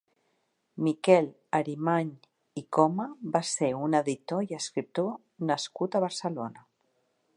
Miquel Arimany i Coma va ser un editor i escriptor nascut a Barcelona.